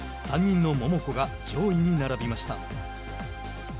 ３人の桃子が上位に並びました。